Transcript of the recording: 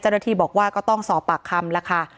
เจ้าหน้าที่บอกว่าก็ต้องสอบปากคำแล้วค่ะ